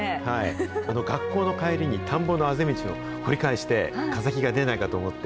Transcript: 学校の帰りに、田んぼのあぜ道を掘り返して、化石が出ないかと思って。